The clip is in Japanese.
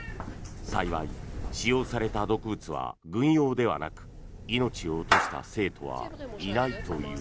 幸い使用された毒物は軍用ではなく命を落とした生徒はいないという。